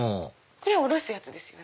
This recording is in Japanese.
これおろすやつですよね。